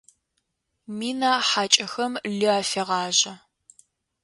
Мина хьакӏэхэм лы афегъажъэ.